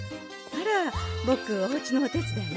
あらぼくおうちのお手伝い？